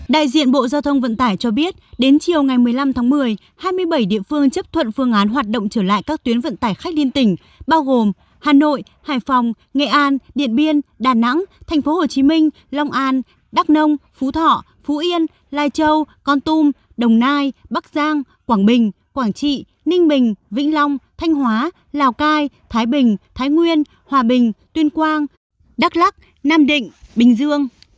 đại diện bộ giao thông vận tải cho biết đến chiều ngày một mươi năm một mươi hai mươi bảy địa phương chấp thuận phương án hoạt động trở lại các tuyến vận tải khách liên tỉnh bao gồm hà nội hải phòng nghệ an điện biên đà nẵng tp hcm long an đắk nông phú thọ phú yên lai châu con tum đồng nai bắc giang quảng bình quảng trị ninh bình vĩnh long thanh hóa lào cai thái bình thái nguyên hòa bình tuyên quang đắk lắc nam định bình dương